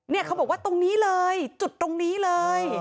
เขาบอกว่าตรงนี้เลยจุดตรงนี้เลย